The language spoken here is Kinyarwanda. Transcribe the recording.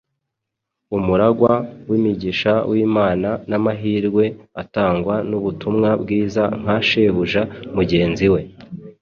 umuragwa w’imigisha y’Imana n’amahirwe atangwa n’ubutumwa bwiza nka shebuja mugenzi we.